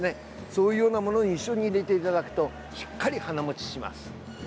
そういうようなものに一緒に入れてあげるとしっかり花もちします。